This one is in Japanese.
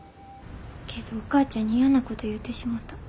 けどお母ちゃんに嫌なこと言うてしもた。